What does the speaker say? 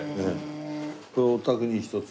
これお宅に１つ。